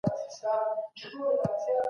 موږ د جګړ ي په جریان کي ډېر څه له لاسه ورکړل.